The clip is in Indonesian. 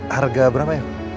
harga berapa ya